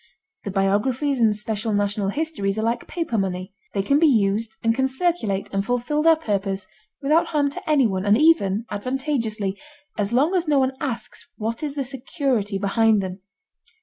The biographies and special national histories are like paper money. They can be used and can circulate and fulfill their purpose without harm to anyone and even advantageously, as long as no one asks what is the security behind them.